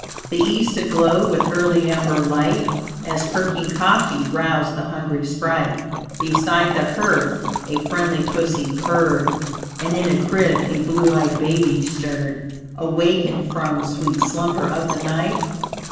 The east aglow with early amber light. As perking coffee roused the hungry sprite; Beside the hearth a friendly pussy purred, And in a crib a blue eyed baby stirred, Awakened from sweet slumber of the night.